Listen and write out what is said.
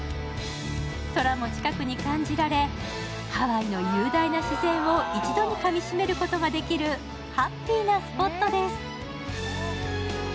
空も近くに感じられ、ハワイの雄大な自然を一度にかみしめることができるハッピーなスポットです。